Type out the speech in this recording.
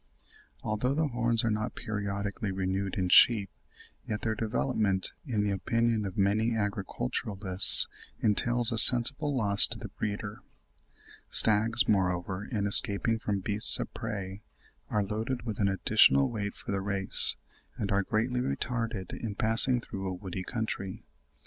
Although the horns are not periodically renewed in sheep, yet their development, in the opinion of many agriculturists, entails a sensible loss to the breeder. Stags, moreover, in escaping from beasts of prey are loaded with an additional weight for the race, and are greatly retarded in passing through a woody country.